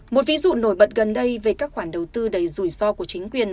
một ví dụ nổi bật gần đây về các khoản đầu tư đầy rủi ro của chính quyền